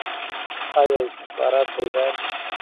آیا استخبارات بیدار دي؟